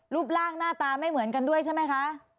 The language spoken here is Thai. รูปร่างหน้าตาไม่เหมือนกันด้วยใช่ไหมคะ